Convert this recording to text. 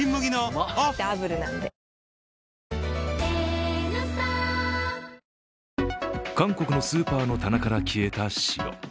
うまダブルなんで韓国のスーパーの棚から消えた塩。